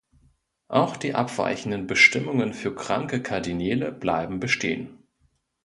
Auch die abweichenden Bestimmungen für kranke Kardinäle bleiben bestehen.